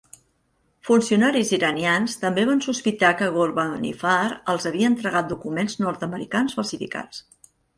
Funcionaris iranians també van sospitar que Ghorbanifar els havia entregat documents nord-americans falsificats.